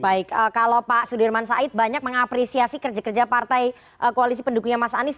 baik kalau pak sudirman said banyak mengapresiasi kerja kerja partai koalisi pendukungnya mas anies